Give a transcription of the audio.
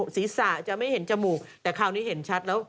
ศีรษะจะไม่เห็นจมูกแต่คราวนี้เห็นชัดแล้ว